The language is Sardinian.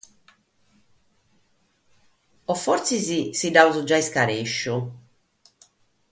O forsis nos nche l'amus giai ismentigadu?